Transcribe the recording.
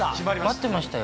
待ってましたよ。